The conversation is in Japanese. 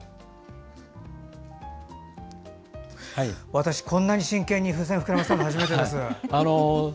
私、こんなに真剣に風船を膨らませたの初めてですね。